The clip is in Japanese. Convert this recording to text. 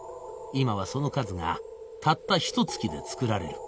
今はその数がたったひと月で作られる